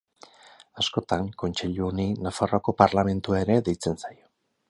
Askotan kontseilu honi Nafarroako Parlamentua ere deitzen zaio.